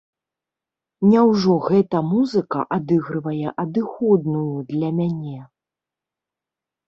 Няўжо гэта музыка адыгрывае адыходную для мяне?